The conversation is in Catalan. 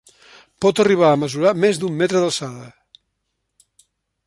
Pot arribar a mesurar més d’un metre d’alçada.